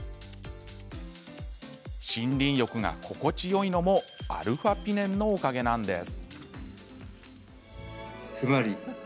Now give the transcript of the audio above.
森林浴が心地よいのもα−ピネンのおかげなんです。